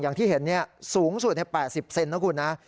อย่างที่เห็นเนี้ยสูงสุดในแปดสิบเซนนะคุณนะ